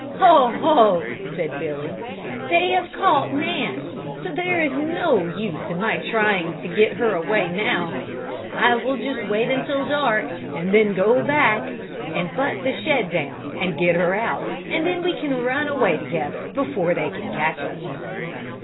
"Ho, ho!" said Billy, "they have caught Nan, so there is no use in my trying to get her away now. I will just wait until dark and then go back and butt the shed down and get her out and then we can run away together before they can catch us."